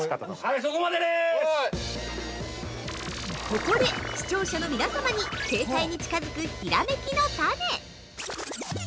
◆ここで、視聴者の皆様に正解に近づくひらめきのタネ！